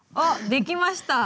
できました。